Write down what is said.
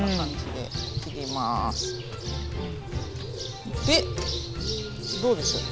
でどうでしょう。